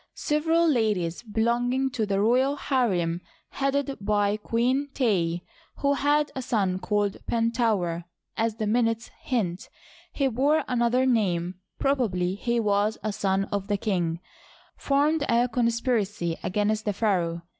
Several ladies belonging to the royal harem, headed by Queen Tey^ who had a son called Pentaouer — as the minutes hint, he bore another name, probably he was a son of the king ;— formed a conspiracy against the pharaoh.